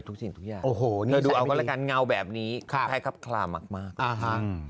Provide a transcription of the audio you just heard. ทุกสิ่งทุกอย่าง